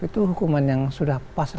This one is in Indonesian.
itu hukuman yang sudah pas